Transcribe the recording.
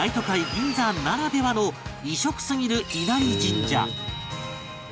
銀座ならではの異色すぎる稲荷神社